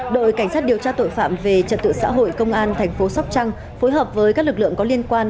đội cảnh sát điều tra tội phạm về trật tự xã hội công an thành phố sóc trăng phối hợp với các lực lượng có liên quan